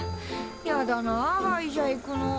やだな歯医者行くの。